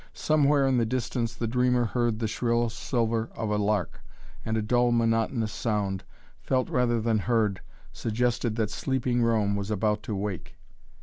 Somewhere in the distance the dreamer heard the shrill silver of a lark, and a dull monotonous sound, felt rather than heard, suggested that sleeping Rome was about to wake.